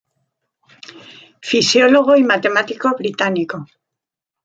Fisiólogo y matemático británico.